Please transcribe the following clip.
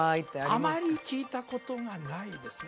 あまり聞いたことがないですね